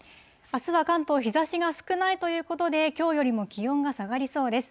あすは関東、日ざしが少ないということで、きょうよりも気温が下がりそうです。